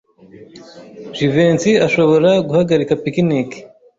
Jivency ashobora guhagarika picnic.